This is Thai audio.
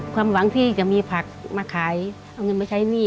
ความหวังที่จะมีผักมาขายเอาเงินมาใช้หนี้